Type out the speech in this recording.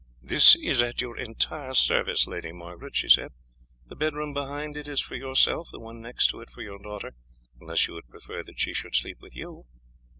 "This is at your entire service, Lady Margaret," she said. "The bedroom behind it is for yourself, the one next to it for your daughter, unless you would prefer that she should sleep with you."